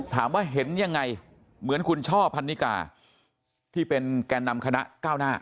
ถามว่าเห็นยังไงเหมือนคุณช่อพันนิกาที่เป็นแก่นำคณะก้าวหน้า